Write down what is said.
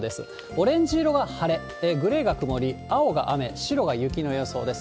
オレンジ色は晴れ、グレーが曇り、青が雨、白が雪の予想です。